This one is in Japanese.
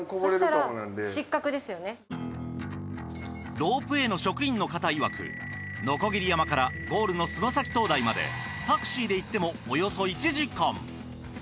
ロープウェーの職員の方いわくのこぎり山からゴールの洲埼灯台までタクシーで行ってもおよそ１時間。